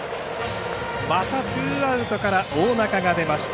またツーアウトから大仲が出ました。